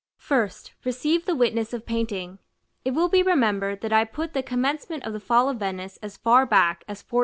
1st. Receive the witness of Painting. It will be remembered that I put the commencement of the Fall of Venice as far back as 1418.